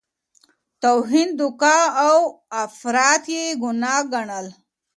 توهین، دوکه او افراط یې ګناه ګڼل.